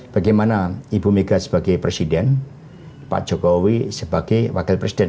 bagaimana ibu mega sebagai presiden pak jokowi sebagai wakil presiden